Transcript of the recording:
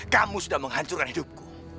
kamu sudah menghancurkan hidupku